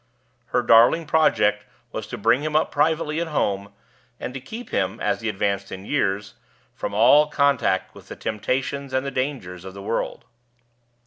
Her darling project was to bring him up privately at home, and to keep him, as he advanced in years, from all contact with the temptations and the dangers of the world.